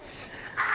あ！